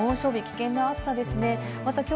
猛暑日、危険な暑さですね。